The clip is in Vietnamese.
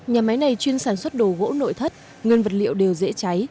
nhà máy này chuyên sản xuất đồ gỗ nội thất nguyên vật liệu đều dễ cháy